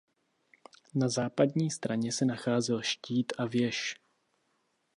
Na západní straně se nacházel štít a věž.